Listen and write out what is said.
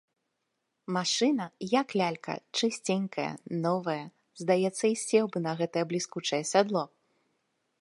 Машына, як лялька, чысценькая, новая, здаецца, і сеў бы на гэтае бліскучае сядло.